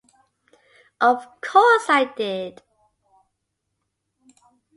Of course I did.